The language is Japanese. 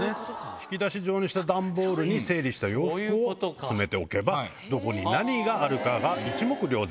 引き出し状にした段ボールに整理した洋服を詰めておけば、どこに何があるかが一目瞭然。